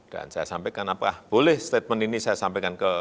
dan saya sampaikan apakah boleh statement ini saya sampaikan ke